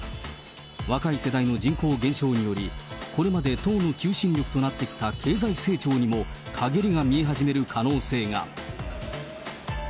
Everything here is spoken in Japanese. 若い世代の人口減少により、これまで党の求心力となってきた経済成長にも、陰りが見え始める可能性が。